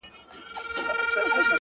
هغه خو دا گراني كيسې نه كوي؛